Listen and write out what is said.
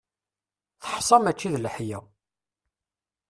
Teḥsa mačči d leḥya.